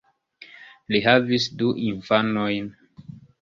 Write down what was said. Li havis du infanojn.